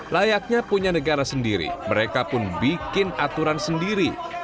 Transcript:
layaknya punya negara sendiri mereka pun bikin aturan sendiri